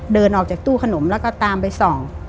เดินออกจากตู้ขนมแล้วก็ตามไปส่อง